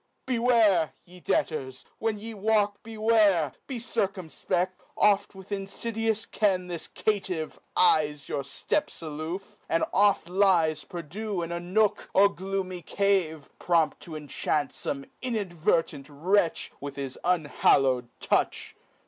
Beware, ye debtors, when ye walk beware, Be circumfpecl: , oft with infidious ken This caitiff eyes your fteps aloof, and oft Lies perdue in a nook or gloomy cave, Prompt to inchant fome inadvertent wretch With his unhallow'd touch.